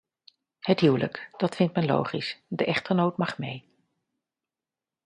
Het huwelijk, dat vindt men logisch, de echtgenoot mag mee.